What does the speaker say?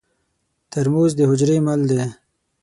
ترموز د حجرې مل دی.